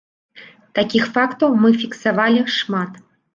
Такіх фактаў мы фіксавалі шмат.